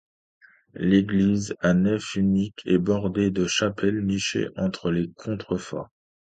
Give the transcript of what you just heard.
L'église à nef unique est bordée de chapelles nichées entre les contreforts.